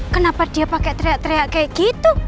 kenapa dia pakai teriak teriak kayak gitu